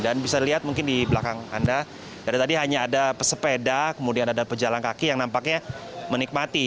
dan bisa dilihat mungkin di belakang anda dari tadi hanya ada pesepeda kemudian ada pejalan kaki yang nampaknya menikmati